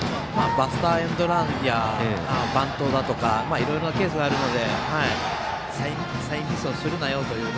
バスターエンドランやバントだとかいろいろなケースがあるのでサインミスをするなよという。